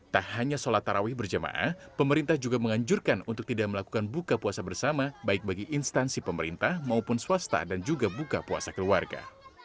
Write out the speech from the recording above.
tak hanya sholat tarawih berjamaah pemerintah juga menganjurkan untuk tidak melakukan buka puasa bersama baik bagi instansi pemerintah maupun swasta dan juga buka puasa keluarga